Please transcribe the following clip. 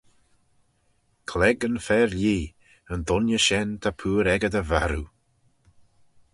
"Clague yn fer lhee, ""yn dooinney shen ta pooar echey dy varroo."